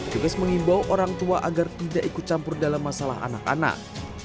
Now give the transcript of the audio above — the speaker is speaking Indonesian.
juga mengimbau orang tua agar tidak ikut campur dalam masalah anak anak